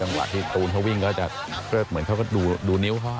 จังหวะที่ตูนเขาวิ่งแล้วจะเจิดเหมือนเขาก็ดูนิ้วเขา